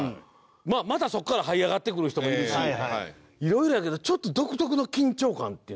またそこからはい上がってくる人もいるし色々やけどちょっと独特の緊張感っていうんですかね。